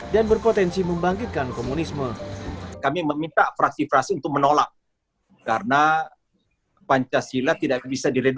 dan berpotensi membangkitkan komunisme